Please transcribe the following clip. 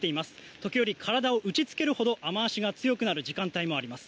時折体を打ちつけるほど雨脚が強くなる時間帯もあります。